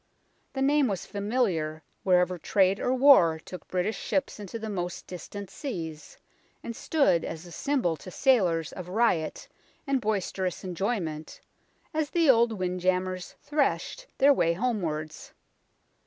The name was familiar wherever trade or war took British ships into the most distant seas, and stood as a symbol to sailors of riot and boisterous enjoy ment, as the old wind j ambers threshed their way homewards.